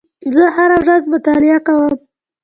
زه هره ورځ مطالعه کوم.